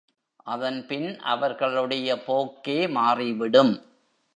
அதன்பின் அவர்களுடைய போக்கே மாறிவிடும்.